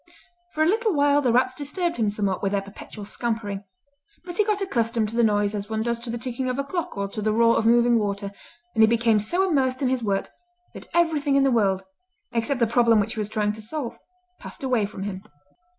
For a little while the rats disturbed him somewhat with their perpetual scampering, but he got accustomed to the noise as one does to the ticking of a clock or to the roar of moving water; and he became so immersed in his work that everything in the world, except the problem which he was trying to solve, passed away from him.